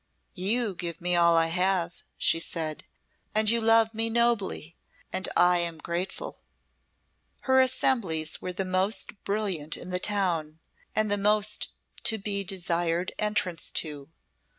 "You give me all I have," she said, "and you love me nobly, and I am grateful." Her assemblies were the most brilliant in the town, and the most to be desired entrance to.